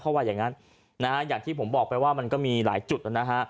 เขาว่าอย่างงั้นนะฮะอย่างที่ผมบอกไปว่ามันก็มีหลายจุดนะฮะ